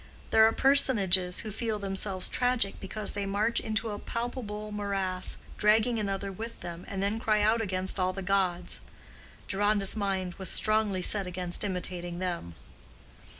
There are personages who feel themselves tragic because they march into a palpable morass, dragging another with them, and then cry out against all the gods. Deronda's mind was strongly set against imitating them.